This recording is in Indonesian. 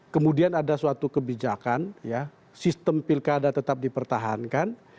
kemudian ada suatu kebijakan sistem pilkada tetap dipertahankan